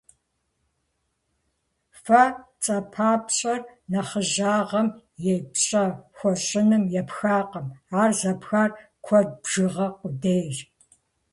«Фэ» цӏэпапщӏэр нэхъыжьагъым е пщӏэ хуэщӏыным епхакъым, ар зэпхар куэд бжыгъэ къудейщ.